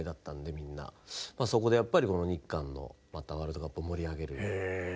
そこでやっぱり日韓のワールドカップを盛り上げる。